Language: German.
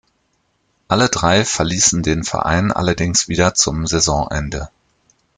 Alle drei verließen den Verein allerdings wieder zum Saisonende.